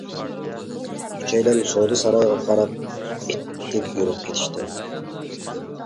ئۈچەيلەن سودا سارىيىغا قاراپ ئىتتىك يۈرۈپ كېتىشتى.